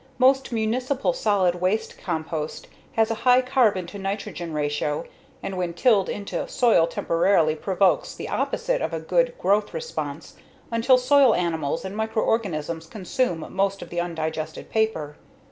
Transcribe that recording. Most municipal solid waste compost has a high carbon to nitrogen ratio and when tilled into soil temporarily provokes the opposite of a good growth response until soil animals and microorganisms consume most of the undigested paper.